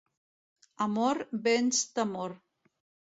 Amor venç temor.